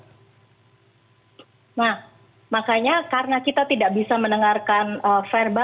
nah makanya karena kita tidak melakukan reaksi spontan ya mungkin putri chandrawati tidak mewakili emosi ketika kegiatan eksekusi ataupun pra eksekusi terjadi mbak